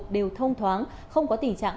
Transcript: đều thông thoáng không có tình trạng